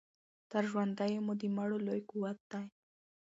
تر ژوندیو مو د مړو لوی قوت دی